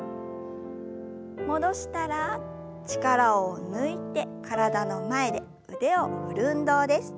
戻したら力を抜いて体の前で腕を振る運動です。